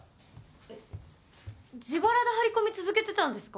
えっ自腹で張り込み続けてたんですか？